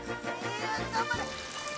頑張れ！